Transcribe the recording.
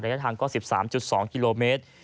ระยะทางก็๑๓๒กิโลเมตร